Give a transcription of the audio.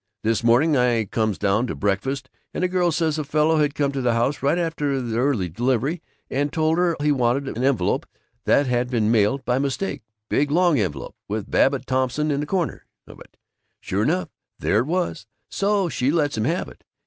This morning I comes down to breakfast and the girl says a fellow had come to the house right after the early delivery and told her he wanted an envelope that had been mailed by mistake, big long envelope with 'Babbitt Thompson' in the corner of it. Sure enough, there it was, so she lets him have it.